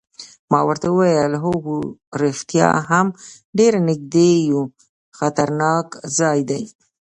ما ورته وویل: هو رښتیا هم ډېر نږدې یو، خطرناک ځای دی.